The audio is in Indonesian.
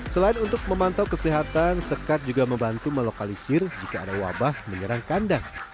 selain untuk memantau kesehatan sekat juga membantu melokalisir jika ada wabah menyerang kandang